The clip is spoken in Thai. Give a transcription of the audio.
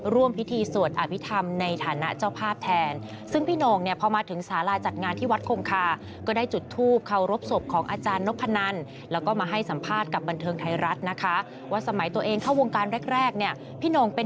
ร่วมพิธีสวดอภิษฐรรมในฐานะเจ้าภาพแทน